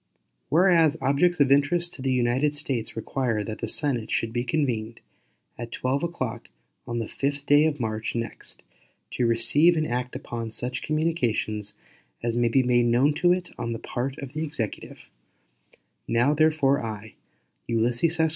Whereas objects of interest to the United States require that the Senate should be convened at 12 o'clock on the 12th day of April, 1869, to receive and act upon such communications as may be made to it on the part of the Executive: Now, therefore, I, U.S.